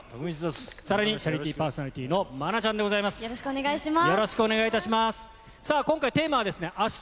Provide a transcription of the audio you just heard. さらにチャリティーパーソナリティーの愛菜ちゃんでございまよろしくお願いします。